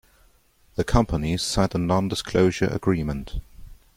The companies signed a non-disclosure agreement.